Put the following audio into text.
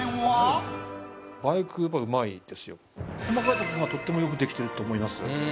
細かいとこがとってもよくできてると思います。